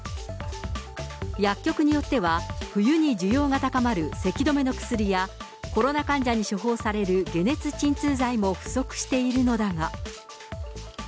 薬局によっては、冬に需要が高まるせき止めの薬や、コロナ患者に処方される解熱鎮痛剤も不足しているのだが。